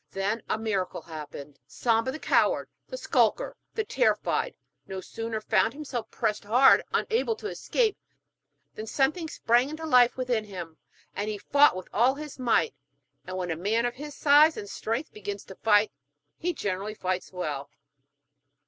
Then a miracle happened. Samba the coward, the skulker, the terrified, no sooner found himself pressed hard, unable to escape, than something sprang into life within him, and he fought with all his might. And when a man of his size and strength begins to fight he generally fights well.